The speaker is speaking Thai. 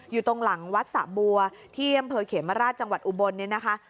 อยู่ตรงหลังวัดสะบัวที่อำเภอเขมราชจังหวัดอุบลเนี่ยนะคะ